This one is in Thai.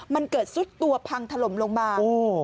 มันเกิดซุดตัวพังถล่มลงมา